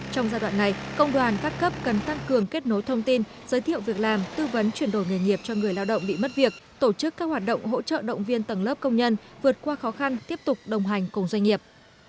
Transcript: trong giai đoạn này công đoàn các cấp cần tăng cường kết nối thông tin giới thiệu việc làm tư vấn chuyển đổi nghề nghiệp cho người lao động bị mất việc tổ chức các hoạt động hỗ trợ động viên tầng lớp công nhân vượt qua khó khăn tiếp tục đồng hành cùng doanh nghiệp